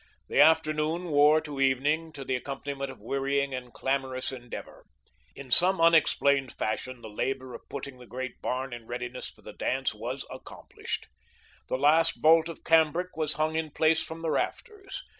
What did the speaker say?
The afternoon wore to evening, to the accompaniment of wearying and clamorous endeavour. In some unexplained fashion, the labour of putting the great barn in readiness for the dance was accomplished; the last bolt of cambric was hung in place from the rafters.